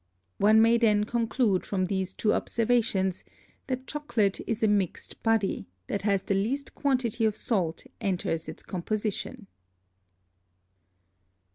One may then conclude from these two Observations, That Chocolate is a mix'd Body, that has the least Quantity of Salt enters its Composition.